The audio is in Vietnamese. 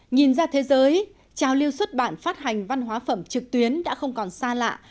nhìn ra thế giới trào lưu xuất bản phát hành văn hóa phẩm trực tuyến đã không còn xa lạ